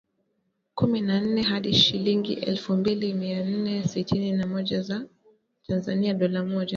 kumi na nne hadi shilingi elfu mbili mia nne sitini na moja za Tanzania dola moja